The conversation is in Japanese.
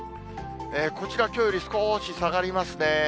こちら、きょうより少し下がりますね。